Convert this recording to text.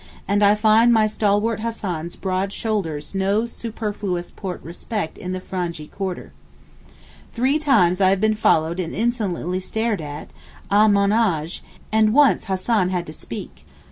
and I find my stalwart Hassan's broad shoulders no superfluous porte respect in the Frangee quarter. Three times I have been followed and insolently stared at (à mon age)!! and once Hassan had to speak.